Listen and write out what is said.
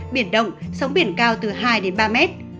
biển đông sóng biển cao từ hai ba mét